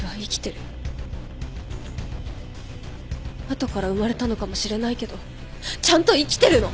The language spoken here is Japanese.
後から生まれたのかもしれないけどちゃんと生きてるの！